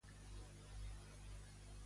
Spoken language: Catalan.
Ha rebut algun reconeixement Alfaro?